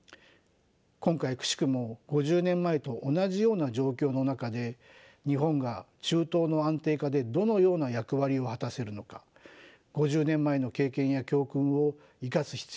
今回くしくも５０年前と同じような状況の中で日本が中東の安定化でどのような役割を果たせるのか５０年前の経験や教訓を生かす必要があると思います。